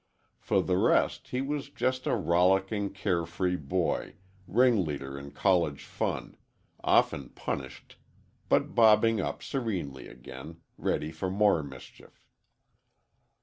For the rest, he was just a rollicking, care free boy, ring leader in college fun, often punished, but bobbing up serenely again, ready for more mischief.